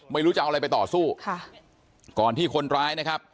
ไม่รู้จะเอาอะไรไปต่อสู้ค่ะก่อนที่คนร้ายนะครับ